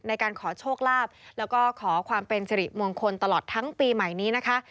ในการขอโชคลาภแล้วก็ขอความเป็นสิริมงคลตลอดทั้งปีใหม่นี้นะคะ